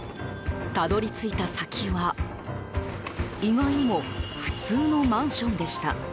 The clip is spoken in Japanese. たどり着いた先は意外にも普通のマンションでした。